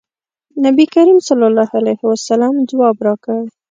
نبي کریم صلی الله علیه وسلم ځواب راکړ.